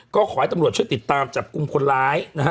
ก็ขอให้ตำรวจช่วยติดตามจับกลุ่มคนร้ายนะฮะ